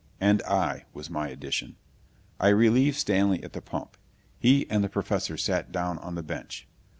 "And I," was my addition. I relieved Stanley at the pump. He and the Professor sat down on the bench.